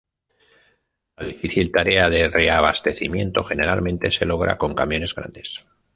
La difícil tarea de reabastecimiento generalmente se logra con camiones grandes.